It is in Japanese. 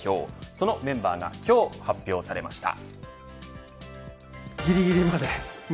そのメンバーが今日、発表されました。